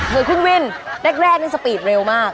เฮ้ยคุณวิ่นแรกนี่สปีดเร็วมาก